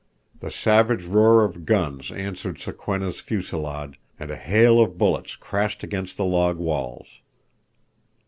The savage roar of guns answered Sokwenna's fusillade, and a hail of bullets crashed against the log walls.